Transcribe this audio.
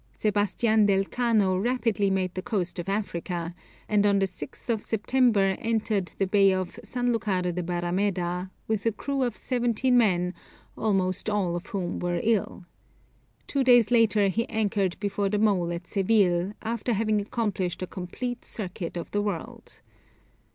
Sebastian del Cano rapidly made the coast of Africa, and on the 6th of September entered the Bay of San Lucar de Barrameda, with a crew of seventeen men, almost all of whom were ill. Two days later he anchored before the mole at Seville, after having accomplished a complete circuit of the world.